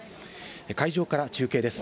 会場から中継です。